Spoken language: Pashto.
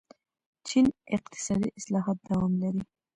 چین اقتصادي اصلاحات دوام لري.